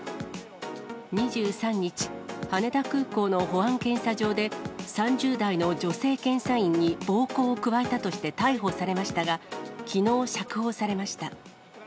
２３日、羽田空港の保安検査場で、３０代の女性検査員に暴行を加えたとして逮捕されましたが、きのう釈放されました。